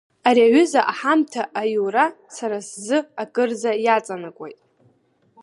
Ари аҩыза аҳамҭа аиура сара сзы акырӡа аҵанакуеит.